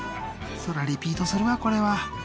そらリピートするわこれは。